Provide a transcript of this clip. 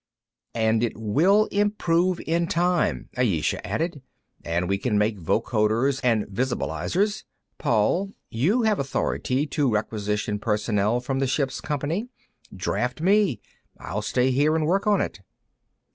"And it will improve in time," Ayesha added. "And we can make vocoders and visibilizers. Paul, you have authority to requisition personnel from the ship's company. Draft me; I'll stay here and work on it."